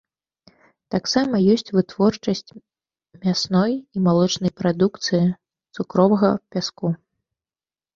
Таксама ёсць вытворчасць мясной і малочнай прадукцыі, цукровага пяску.